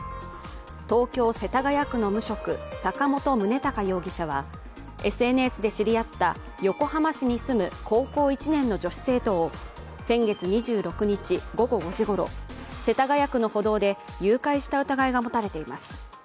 東京・世田谷区の無職坂本宗敬容疑者はＳＮＳで知り合った横浜市に住む高校１年の女子生徒を先月２６日午後５時ごろ世田谷区の歩道で誘拐した疑いが持たれています。